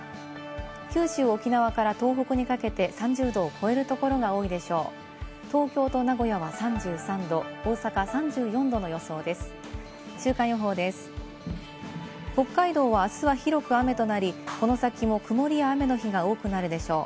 九州沖から東北にかけて３０度を超えるところが多いでしょう。